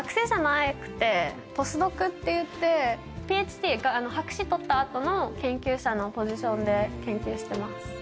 ポスドクっていってｐｈ．Ｄ．博士取ったあとの研究者のポジションで研究してます。